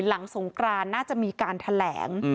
หลังสงกรานน่าจะมีการแถลง